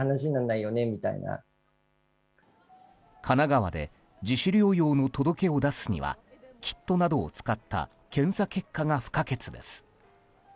神奈川で自主療養の届けを出すにはキットなどを使った検査結果が不可欠です。